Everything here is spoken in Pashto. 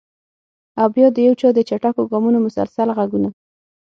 او بیا د یو چا د چټکو ګامونو مسلسل غږونه!